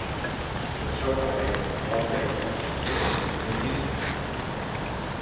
El seu pare, Walter, era dentista.